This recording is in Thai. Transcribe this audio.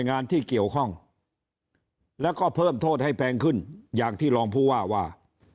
งานที่เกี่ยวข้องแล้วก็เพิ่มโทษให้แพงขึ้นอย่างที่รองผู้ว่าว่า